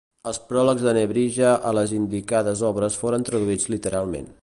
Els pròlegs de Nebrija a les indicades obres foren traduïts literalment.